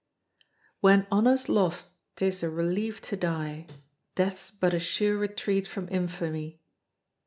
"When honour's lost 'tis a relief to die, Death's but a sure retreat from infamy."